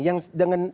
yang dengan apa